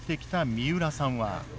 三浦さん